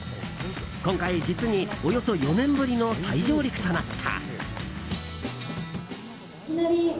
今回、実におよそ４年ぶりの再上陸となった。